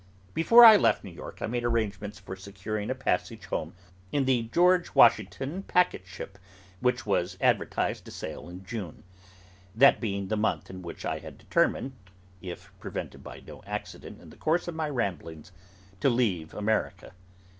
Before I left New York I made arrangements for securing a passage home in the George Washington packet ship, which was advertised to sail in June: that being the month in which I had determined, if prevented by no accident in the course of my ramblings, to leave America.